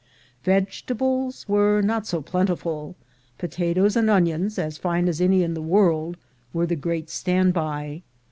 Vegetables were not so plentiful. Potatoes and onions, as fine as any in the world, were the great stand by.